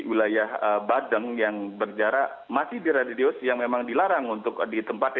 adalah badeng yang berjarak masih di radius yang memang dilarang untuk di tempat